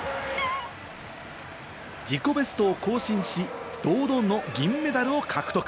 自己ベストを更新し、堂々の銀メダルを獲得。